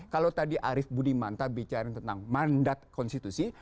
kalau tadi arief budi manta bicara tentang mandat konstitusi